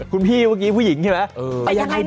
คุณพี่เมื่อกี้ผู้หญิงใช่ไหม